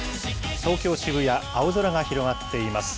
東京・渋谷、青空が広がっています。